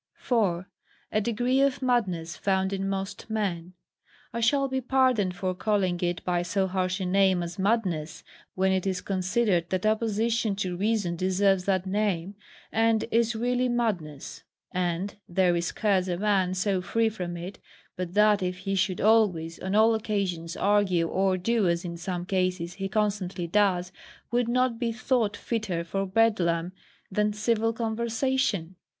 4. A Degree of Madness found in most Men. I shall be pardoned for calling it by so harsh a name as madness, when it is considered that opposition to reason deserves that name, and is really madness; and there is scarce a man so free from it, but that if he should always, on all occasions, argue or do as in some cases he constantly does, would not be thought fitter for Bedlam than civil conversation.